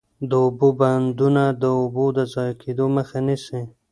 د اوبو بندونه د اوبو د ضایع کیدو مخه نیسي.